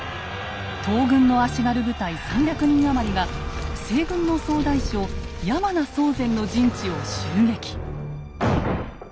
東軍の足軽部隊３００人余りが西軍の総大将山名宗全の陣地を襲撃。